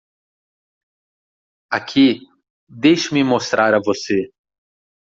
Aqui?, deixe-me mostrar a você.